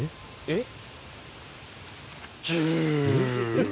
えっ？